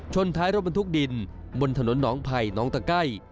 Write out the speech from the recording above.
ท้ายรถบรรทุกดินบนถนนหนองไผ่น้องตะไก้